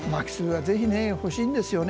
ぜひ欲しいんですよね。